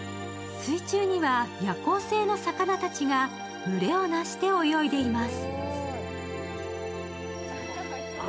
水中には夜行性の魚たちが群れを成して泳いでいます。